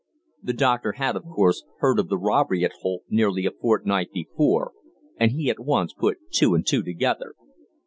The doctor had, of course, heard of the robbery at Holt nearly a fortnight before, and he at once put two and two together.